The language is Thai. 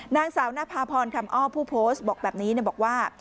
นางสาวนภาพรคำอ้อผู้โพสต์บอกแบบนี้บอกว่า